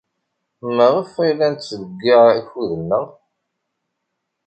Maɣef ay la nettḍeyyiɛ akud-nneɣ?